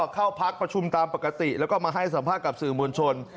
เข้าพักประชุมปรากฏติและมาให้สัมภาษณ์กับสื่อมุญชน